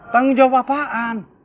tanggung jawab apaan